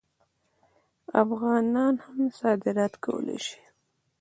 افغانان هم صادرات کولی شي.